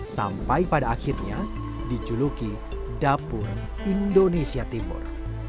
sampai pada akhirnya dijuluki dapur indonesia timur